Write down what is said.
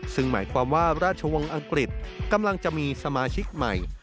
ซึ่งหมายความว่าราชวงศ์อังกฤษกำลังจะมีสมาชิกใหม่